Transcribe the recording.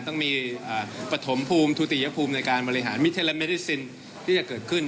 ต้องมีปฐมภูมิทุติยภูมิในการบริหารมิเทลเมริซินที่จะเกิดขึ้น